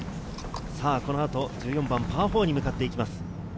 この後、１４番パー４に向かっていきます。